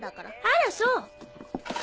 あらそう。